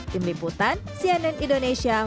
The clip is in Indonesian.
tim liputan cnn indonesia